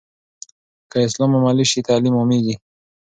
که اسلام عملي سي، تعلیم عامېږي.